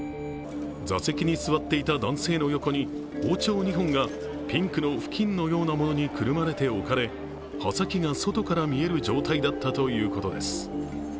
座席に座っていた男性の横に包丁２本がピンクのふきんのようなものにくるまれて置かれ、刃先が外から見える状態だったということです。